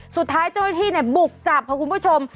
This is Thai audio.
สุดท้ายเจ้าหน้าที่บุกจับค่ะคุณผู้ชม